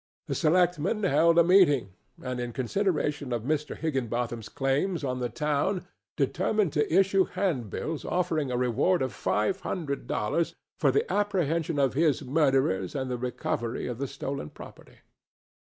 The selectmen held a meeting, and in consideration of Mr. Higginbotham's claims on the town determined to issue handbills offering a reward of five hundred dollars for the apprehension of his murderers and the recovery of the stolen property.